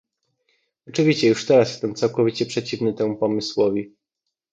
Oczywiście już teraz jestem całkowicie przeciwny temu pomysłowi